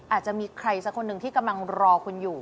อาจจะมีใครสักคนหนึ่งที่กำลังรอคุณอยู่